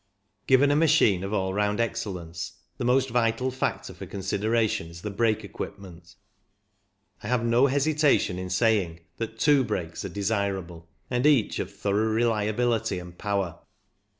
Given a machine of all round excellence, the most vital factor for consideration is the brake equipment I have no hesita tion in saying that two brakes are desirable, and each of thorough reliability and power.